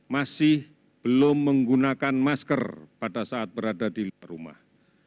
masih belum menggunakan masker pada saat berada di luar rumah